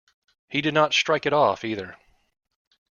He did not strike it off, either.